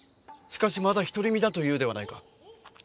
しかしまだ独り身だというではないか。